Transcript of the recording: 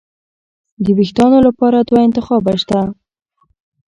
د وېښتانو لپاره دوه انتخابه شته.